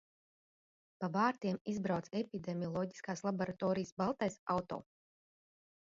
Pa vārtiem izbrauc epidemiloģiskās laboratorijas baltais auto.